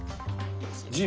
１０。